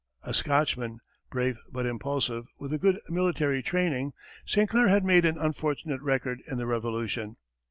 A Scotchman, brave but impulsive, with a good military training, St. Clair had made an unfortunate record in the Revolution.